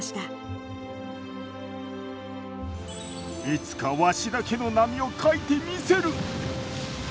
いつかわしだけの波を描いてみせる。